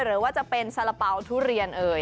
หรือว่าจะเป็นสาระเป๋าทุเรียนเอ่ย